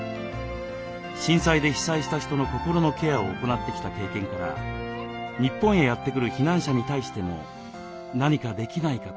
震災で被災した人の心のケアを行ってきた経験から日本へやって来る避難者に対しても何かできないかと考えました。